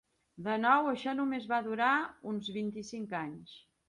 De nou, això només va durar uns vint-i-cinc anys.